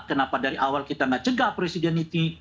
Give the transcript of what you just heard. kenapa dari awal kita nggak cegah presiden itu